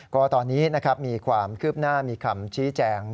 ก็ตอนนี้นะครับมีความคืบหน้ามีคำชี้แจง